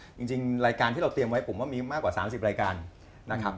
จริงรายการที่เราเตรียมไว้ผมว่ามีมากกว่า๓๐รายการนะครับ